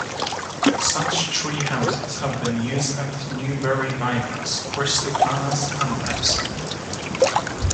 Such tree houses have been used at Newbury bypass, Crystal Palace and Epsom.